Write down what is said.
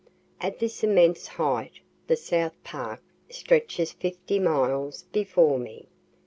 At this immense height the South Park stretches fifty miles before me.